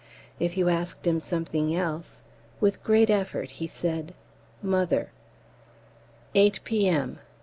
If you asked him something else, with a great effort he said "Mother." 8 P.M.